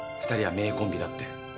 ２人は名コンビだって。